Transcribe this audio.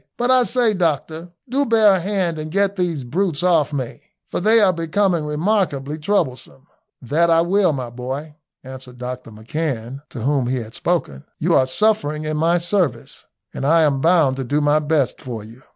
"But I say, doctor, do bear a hand and get these brutes off me, for they are becoming remarkably troublesome." "That I will, my boy," answered Dr McCan, to whom he had spoken. "You are suffering in my service, and I am bound to do my best for you."